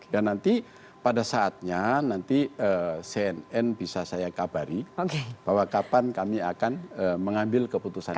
dan nanti pada saatnya nanti cnn bisa saya kabari bahwa kapan kami akan mengambil keputusan itu